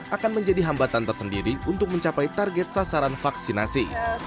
akan menjadi hambatan tersendiri untuk mencapai target sasaran vaksinasi